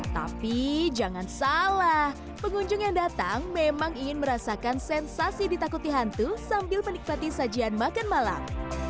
tapi jangan salah pengunjung yang datang memang ingin merasakan sensasi ditakuti hantu sambil menikmati sajian makan malam